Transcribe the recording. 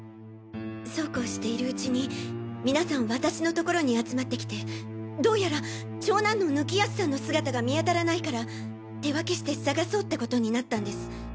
そうこうしているうちに皆さん私の所に集まってきてどうやら長男の貫康さんの姿が見当たらないから手分けして捜そうってことになったんです。